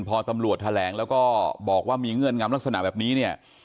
พอตำรวจแถลงแล้วก็บอกว่ามีเงื่อนงำลักษณะแบบนี้เนี่ย